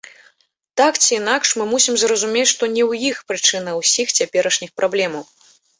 Так ці інакш, мы мусім зразумець, што не ў іх прычына ўсіх цяперашніх праблемаў.